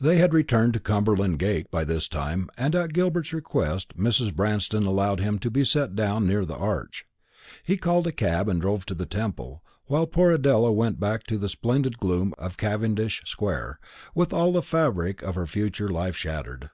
They had returned to Cumberland gate by this time, and at Gilbert's request Mrs. Branston allowed him to be set down near the Arch. He called a cab, and drove to the Temple; while poor Adela went back to the splendid gloom of Cavendish square, with all the fabric of her future life shattered.